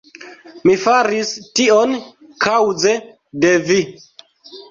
Mi faris tion kaŭze de vi.